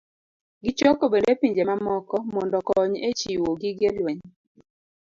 Gichoko bende pinje mamoko mondo okony e chiwo gige lweny